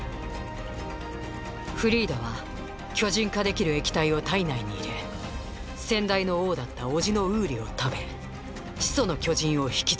フリーダは巨人化できる液体を体内に入れ先代の王だった叔父のウーリを食べ「始祖の巨人」を引き継ぎました。